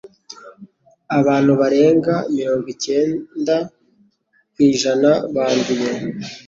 Abantu barenga mirongo icyenda ku ijana banduye